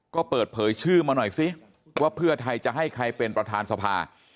ก็เปิดเผยชื่อมาหน่อยสิว่าเพื่อไทยจะให้ใครเป็นประธานสภา